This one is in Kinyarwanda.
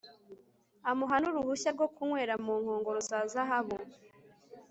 amuha n'uruhushya rwo kunywera mu nkongoro za zahabu